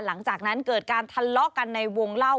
หลังจากนั้นเกิดการทะเลาะกันในวงเล่า